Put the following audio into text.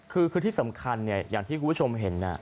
คือที่สำคัญเนี่ยอย่างที่คุณผู้ชมเห็น